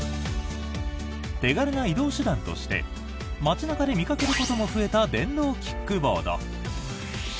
手軽な移動手段として街中で見かけることも増えた電動キックボード。